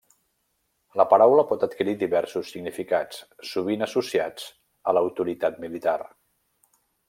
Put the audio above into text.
La paraula pot adquirir diversos significats, sovint associats a l’autoritat militar.